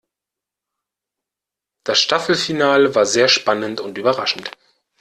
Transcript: Das Staffelfinale war sehr spannend und überraschend.